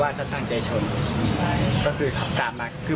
สวัสดีครับทุกคน